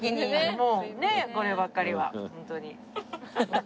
こればっかりはホントに。